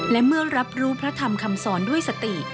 และเมื่อรับรู้พระธรรมคำสอนด้วยสติ